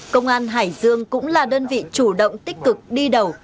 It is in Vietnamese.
công an hải dương cũng là đơn vị chủ động tích cực đi đầu